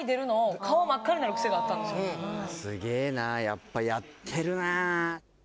すげえな、やっぱ、やってるな。